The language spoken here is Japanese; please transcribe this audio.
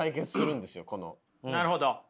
なるほど。